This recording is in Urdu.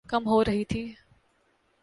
کم ہو رہی تھِی